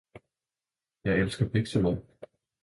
Jeg elsker biksemad.